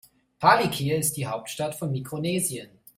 Palikir ist die Hauptstadt von Mikronesien.